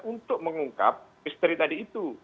untuk mengungkap misteri tadi itu